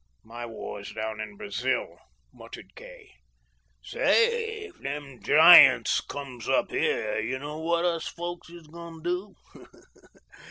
"My war's down in Brazil," muttered Kay. "Say, if them Giants comes up here yuh know what us folks is going to do?